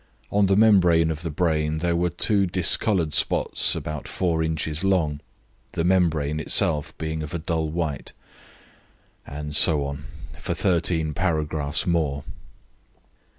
On the membrane of the brain there were two discoloured spots about four inches long, the membrane itself being of a dull white." And so on for 13 paragraphs more.